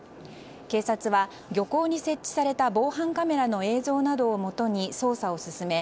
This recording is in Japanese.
警察は漁港に設置された防犯カメラの映像などをもとに捜査を進め